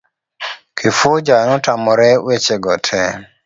Kifuja notamore weche go te.